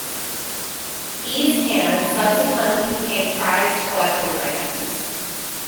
These cans subsequently became prized collector's items.